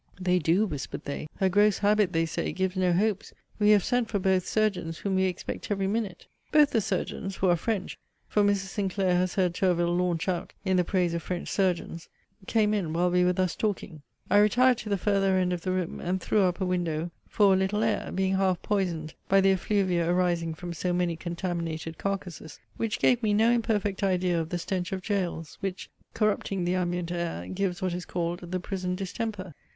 They do, whispered they. Her gross habit, they say, gives no hopes. We have sent for both surgeons, whom we expect every minute. Both the surgeons (who are French; for Mrs. Sinclair has heard Tourville launch out in the praise of French surgeons) came in while we were thus talking. I retired to the farther end of the room, and threw up a window for a little air, being half poisoned by the effluvia arising from so many contaminated carcases; which gave me no imperfect idea of the stench of gaols, which, corrupting the ambient air, gives what is called the prison distemper.